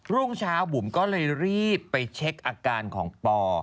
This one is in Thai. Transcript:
รุ่งเช้าบุ๋มก็เลยรีบไปเช็คอาการของปอ